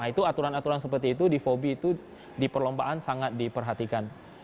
nah itu aturan aturan seperti itu di fobi itu di perlombaan sangat diperhatikan